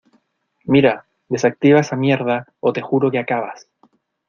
mira, desactiva esa mierda o te juro que acabas